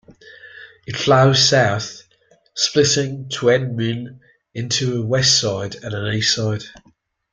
It flows south, splitting Tuen Mun into a west side and an east side.